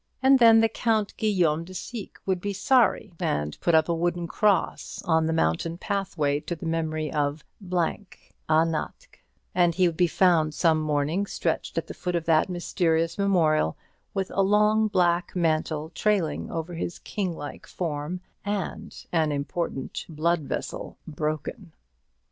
And then the Count Guilliaume de Syques would be sorry, and put up a wooden cross on the mountain pathway, to the memory of , ÂNÁTKH; and he would be found some morning stretched at the foot of that mysterious memorial, with a long black mantle trailing over his king like form, and an important blood vessel broken.